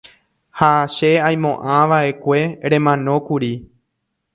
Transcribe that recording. ha che aimo'ãva'ekue remanókuri.